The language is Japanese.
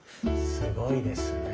すごいですね。